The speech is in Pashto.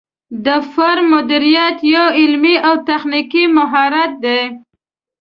د فارم مدیریت یو علمي او تخنیکي مهارت دی.